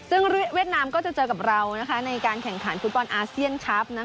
ซึ่งเวียดนามก็จะเจอกับเราในการแข่งขันฟุตบอลอาเซียนคลับ